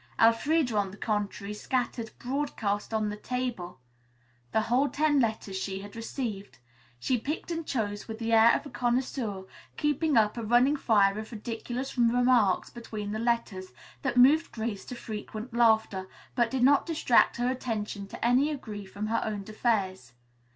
Elfreda on the contrary, scattered broadcast on the table the whole ten letters she had received. She picked and chose with the air of a connoisseur, keeping up a running fire of ridiculous remarks between letters, that moved Grace to frequent laughter, but did not distract her attention to any degree from her own affairs.